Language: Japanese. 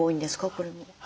これも。